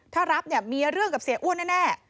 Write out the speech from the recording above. ถ้ารับเนี่ยมีเรื่องกับเสียอ้วนแน่